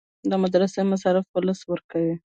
د مدرسو مصارف ولس ورکوي